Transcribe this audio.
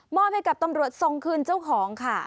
อบให้กับตำรวจทรงคืนเจ้าของค่ะ